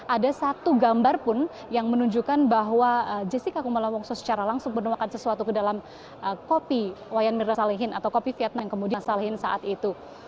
ada satu gambar pun yang menunjukkan bahwa jessica kumala wongso secara langsung menemukan sesuatu ke dalam kopi wayan mirna salihin atau kopi vietnam kemudian salehin saat itu